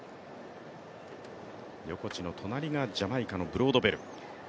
横地の隣がジャマイカのブロードベル。